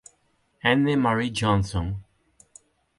Anne-Marie Johnson